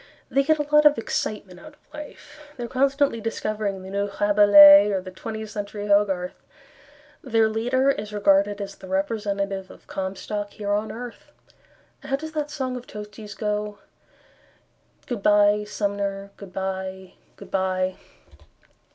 They get a lot of excitement out of life, They are constantly discovering The New Rabelais Or the Twentieth Century Hogarth. Their leader is regarded As the representative of Comstock here on earth. How does that song of Tosti's go? "Good bye, Sumner, good bye, good bye."